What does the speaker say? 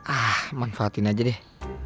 ah manfaatin aja deh